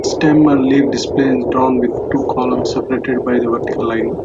The stem-and-leaf display is drawn with two columns separated by a vertical line.